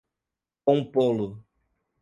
compô-lo